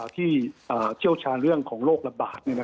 ที่เชี่ยวชาญเรื่องของโรคระบาดนะครับ